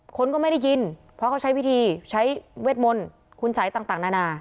คนก็ไม่ได้ยินเพราะเขาใช้วิธีใช้เวทมนต์คุณสัยต่างนานา